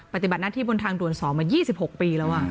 ศีลบัตรหน้าที่บนทางตรวจสอบมา๒๖ปีแล้ว